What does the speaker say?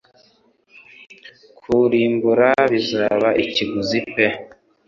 Kurimbura bizaba ikiguzi pe